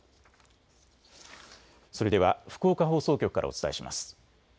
それでは福岡放送局からお伝えします。